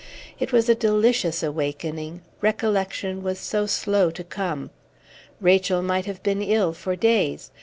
It was a delicious awakening, recollection was so slow to come. Rachel might have been ill for days.